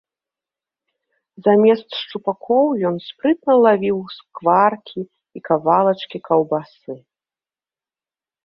Замест шчупакоў ён спрытна лавіў скваркі і кавалачкі каўбасы.